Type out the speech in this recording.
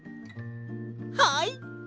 はい！